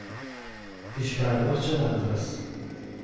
پیش پرداخت چقدر است؟